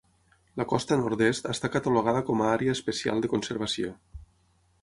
La costa nord-est està catalogada com a àrea especial de conservació.